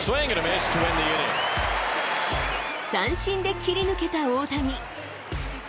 三振で切り抜けた大谷。